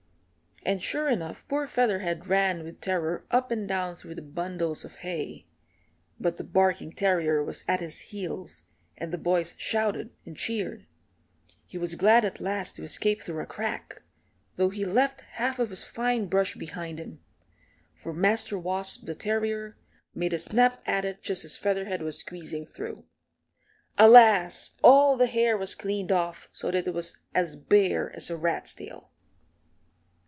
And sure enough poor Featherhead ran with terror up and down through the bundles of hay. But the barking terrier was at his heels, and the boys shouted and cheered. He was glad at last to escape through a crack, though he left half of his fine brush behind him for Master Wasp, the terrier, made a snap at it just as Featherhead was squeezing through. Alas! all the hair was cleaned off so that it was as bare as a rat's tail.